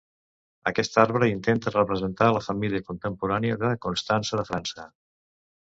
Aquest arbre intenta representar la família contemporània de Constança de França.